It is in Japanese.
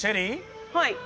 はい。